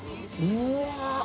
うわ！